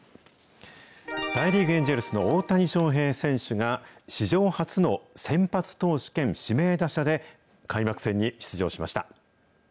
大リーグ・エンジェルスの大谷翔平選手が、史上初の先発投手兼指名打者で、開幕戦に出場しました。